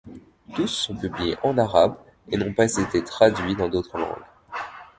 Tous sont publiés en arabe et n'ont pas été traduits dans d'autres langues.